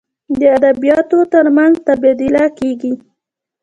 د ادبیاتو تر منځ تبادله کیږي.